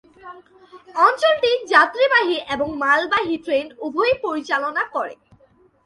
অঞ্চলটি যাত্রীবাহী এবং মালবাহী ট্রেন উভয়ই পরিচালনা করে।